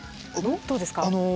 どうですか？